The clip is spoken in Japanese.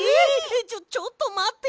ちょちょっとまって！